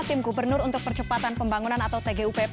tim gubernur untuk percepatan pembangunan atau tgupp